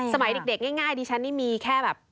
สมัยเด็กง่ายดิฉันนี่มีแค่แบบ